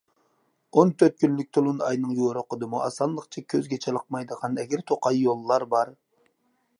ئون تۆت كۈنلۈك تولۇن ئاينىڭ يورۇقىدىمۇ ئاسانلىقچە كۆزگە چېلىقمايدىغان ئەگىر توقاي يوللار بار.